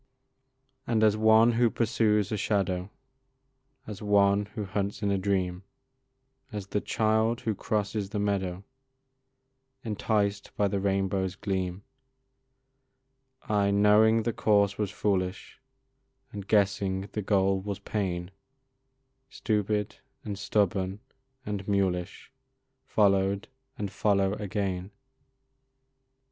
And as one who pursues a shadow, As one who hunts in a dream, As the child who crosses the meadow, Enticed by the rainbow's gleam, I knowing the course was foolish, And guessing the goal was pain, Stupid, and stubborn, and mulish Followed and follow again.